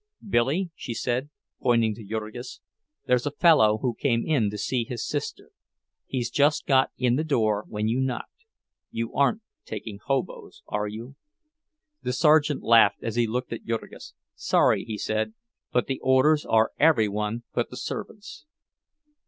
"Billy," she said, pointing to Jurgis, "there's a fellow who came in to see his sister. He'd just got in the door when you knocked. You aren't taking hoboes, are you?" The sergeant laughed as he looked at Jurgis. "Sorry," he said, "but the orders are every one but the servants."